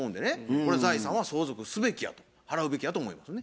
これ財産は相続すべきやと払うべきやと思いますね。